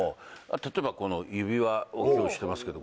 例えばこの指輪を今日してますけど。